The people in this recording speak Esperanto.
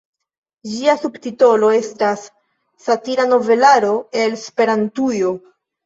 Ĝia subtitolo estas "Satira novelaro el Esperantujo".